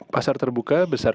pasar terbuka besar